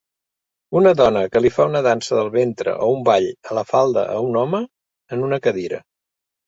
Una dona que li fa una dansa del ventre o un ball a la falda a un home en una cadira.